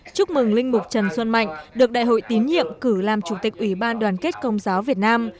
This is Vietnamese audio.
chúc mừng linh mục trần xuân mạnh được đại hội tín nhiệm cử làm chủ tịch ủy ban đoàn kết công giáo việt nam